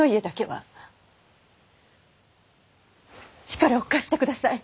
力を貸してください。